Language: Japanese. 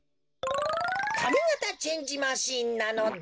かみがたチェンジマシンなのだ。